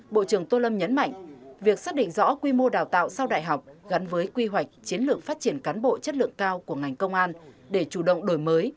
bộ trưởng tô lâm nhấn mạnh việc xác định rõ quy mô đào tạo sau đại học gắn với quy hoạch chiến lược phát triển cán bộ chất lượng cao của ngành công an để chủ động đổi mới